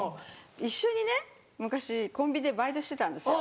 一緒にね昔コンビニでバイトしてたんですよ。